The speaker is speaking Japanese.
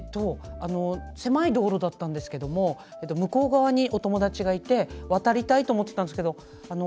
狭い道路だったんですけど向こう側に、お友達がいて渡りたいと思ってたんですけど